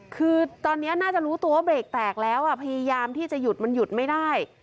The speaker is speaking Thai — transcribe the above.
คือตอนนี้น่าจะรู้ตัวว่าเบรกแตกแล้วพยายามที่จะหยุดมันหยุดไม่ได้